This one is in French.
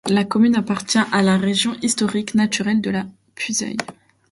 La commune appartient à la région historique et naturelle de la Puisaye.